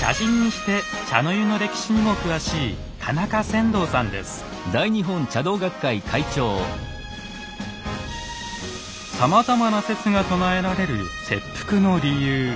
茶人にして茶の湯の歴史にも詳しいさまざまな説が唱えられる切腹の理由。